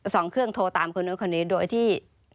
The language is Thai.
สองเครื่องโทรตามคนนู้นคนนี้โดยที่